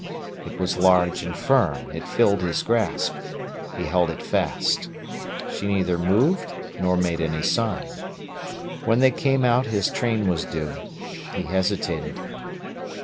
It was large and firm; it filled his grasp. He held it fast. She neither moved nor made any sign. When they came out his train was due. He hesitated.